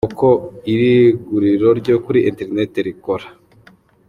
Uko iri guriro ryo kuri Internet rikora.